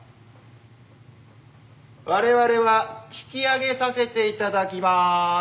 我々は引き揚げさせて頂きまーす。